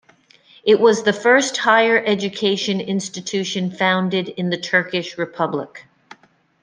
It was the first higher education institution founded in the Turkish Republic.